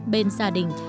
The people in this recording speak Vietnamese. bên gia đình